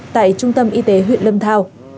tại trung tâm y tế huyện lâm thao